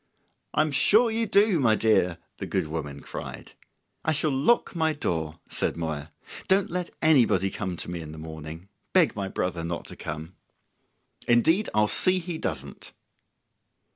"I'm sure you do, my dear," the good woman cried. "I shall lock my door," said Moya. "Don't let anybody come to me in the morning; beg my brother not to come." "Indeed I'll see he doesn't."